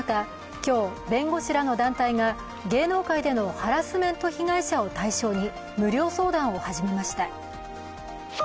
今日、弁護士らの団体が芸能界でのハラスメント被害者を対象に無料相談を始めました。